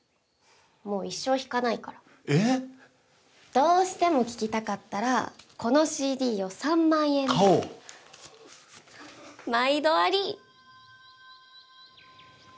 もう一生弾かないからえっ⁉どうしても聴きたかったらこのＣＤを３万円で買おうふふっまいどあり！